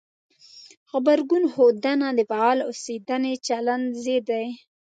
غبرګون ښودنه د فعال اوسېدنې چلند ضد دی.